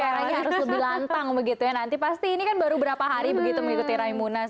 suaranya harus lebih lantang begitu ya nanti pasti ini kan baru berapa hari begitu mengikuti raimunas